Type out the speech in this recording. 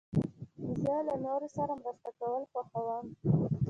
زه له نورو سره مرسته کول خوښوم.